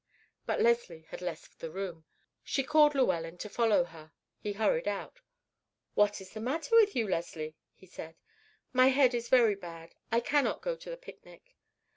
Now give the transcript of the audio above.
But Leslie had left the room. She called Llewellyn to follow her. He hurried out. "What is the matter with you. Leslie?" he said. "My head is very bad. I cannot go to the picnic."